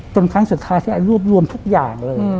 ครั้งสุดท้ายที่ไอ้รวบรวมทุกอย่างเลย